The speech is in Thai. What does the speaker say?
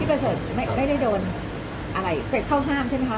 ที่เมื่อเศิษฐ์ไม่ได้โดนอะไรเกิดเข้าห้ามใช่ไหมคะ